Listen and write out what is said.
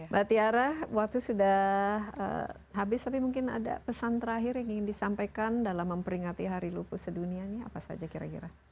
mbak tiara waktu sudah habis tapi mungkin ada pesan terakhir yang ingin disampaikan dalam memperingati hari lupus sedunia ini apa saja kira kira